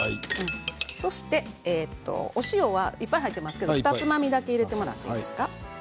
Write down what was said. そしてお塩はいっぱい入っていますがふたつまみ入れていただいていいですか？